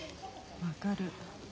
分かる。